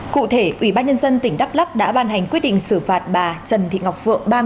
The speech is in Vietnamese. cụ thể ủy ban nhân dân tỉnh đắk lắc đã ban hành quyết định xử phạt bà trần thị ngọc phượng